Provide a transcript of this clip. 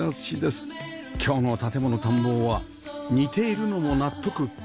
今日の『建もの探訪』は似ているのも納得